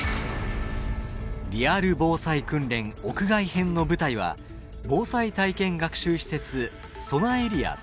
「リアル防災訓練屋外編」の舞台は防災体験学習施設